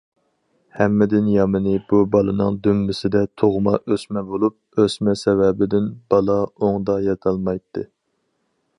ھەممىدىن يامىنى بۇ بالىنىڭ دۈمبىسىدە تۇغما ئۆسمە بولۇپ، ئۆسمە سەۋەبىدىن بالا ئوڭدا ياتالمايتتى.